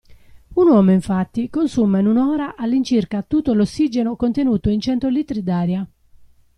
Un uomo infatti consuma in un'ora all'incirca tutto l'ossigeno contenuto in cento litri d'aria.